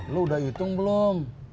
lo udah hitung belum